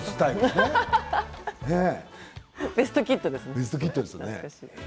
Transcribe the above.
「ベストキッド」ですね。